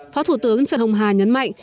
phó thủ tướng trần hồng hà nhấn mạnh